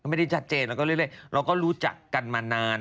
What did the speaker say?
ไม่ได้ชัดเจนแล้วก็เรื่อยเราก็รู้จักกันมานาน